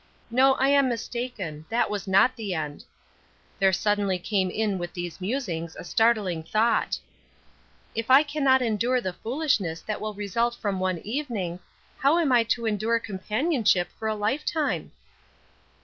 No, I am mistaken, that was not the end; there suddenly came in with these musings a startling thought: "If I cannot endure the foolishness that will result from one evening, how am I to endure companionship for a lifetime?"